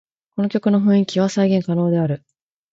この曲の雰囲気は再現可能である